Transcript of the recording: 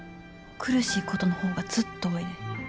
苦しいことの方がずっと多いで。